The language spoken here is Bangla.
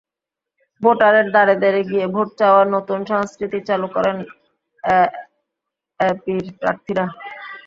ভোটারের দ্বারে দ্বারে গিয়ে ভোট চাওয়ার নতুন সংস্কৃতি চালু করেন এএপির প্রার্থীরা।